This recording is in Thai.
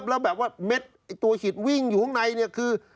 แล้วแบบว่าเม็ดไอ้ตัวหิตวิ่งอยู่ข้างในเนี่ยคือ